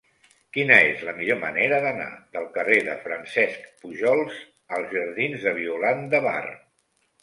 Quina és la millor manera d'anar del carrer de Francesc Pujols als jardins de Violant de Bar?